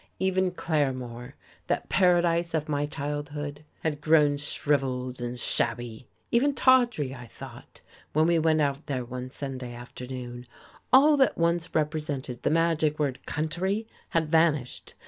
Even Claremore, that paradise of my childhood, had grown shrivelled and shabby, even tawdry, I thought, when we went out there one Sunday afternoon; all that once represented the magic word "country" had vanished.